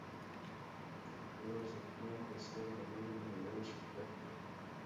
د خپلو ارزښتناکو اثارو له امله نړیوال شهرت لري.